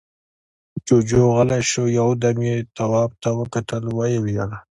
جُوجُو غلی شو، يو دم يې تواب ته وکتل، ويې ويل: